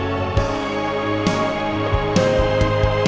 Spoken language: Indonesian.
aku akan mencintai kamu